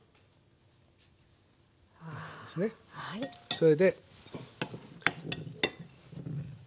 それで。